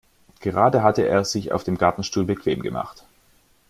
Gerade hatte er es sich auf dem Gartenstuhl bequem gemacht.